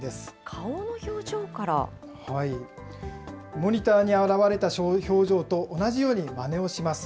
モニターに現れた表情と同じようにまねをします。